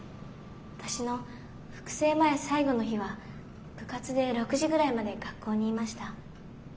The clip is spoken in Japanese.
私の復生前最後の日は部活で６時ぐらいまで学校にいました。